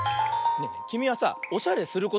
きみはさおしゃれすることある？